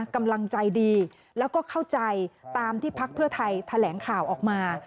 กำลังใจดีแล้วก็เข้าใจตามที่พักเพื่อไทยแถลงข่าวออกมา